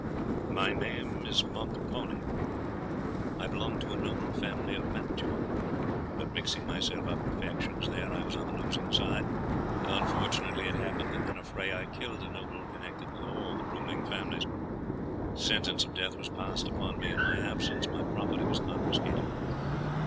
"My name is Montepone. I belong to a noble family of Mantua, but mixing myself up with the factions there, I was on the losing side, and unfortunately it happened that in a fray I killed a noble connected with all the ruling families; sentence of death was passed upon me in my absence, my property was confiscated.